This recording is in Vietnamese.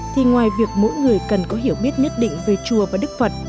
thì ngoài việc mỗi người cần có hiểu biết nhất định về chùa và đức phật